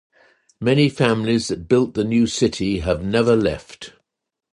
Many families that built the new city have never left.